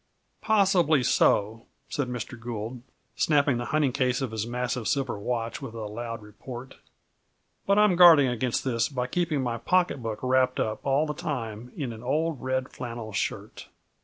"Possibly so," said Mr. Gould, snapping the hunting case of his massive silver watch with a loud report, "but I am guarding against this by keeping my pocketbook wrapped up all the time in an old red flannel shirt."